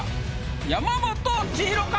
山本千尋か？